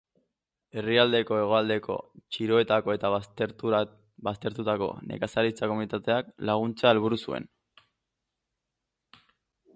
Herrialdeko hegoaldeko txiroetako eta baztertutako nekazaritza komunitateak laguntzea helburu zuen.